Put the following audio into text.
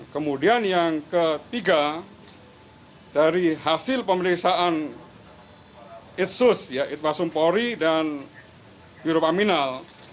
kemudian yang ketiga dari hasil pemeriksaan itsus itwasum pori dan birob aminal